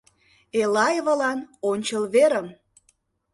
— Элаевалан — ончыл верым!